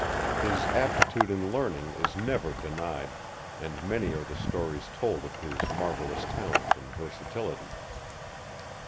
His aptitude in learning is never denied, and many are the stories told of his marvellous talent and versatility.